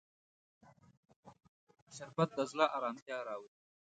شربت د زړه ارامتیا راولي